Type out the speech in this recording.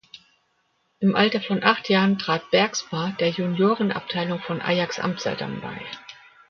Im Alter von acht Jahren trat Bergsma der Juniorenabteilung von Ajax Amsterdam bei.